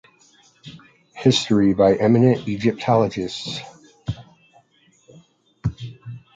History by Eminent Egyptologists.